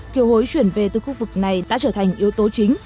kiều hối chuyển về từ khu vực này đã trở thành yếu tố chính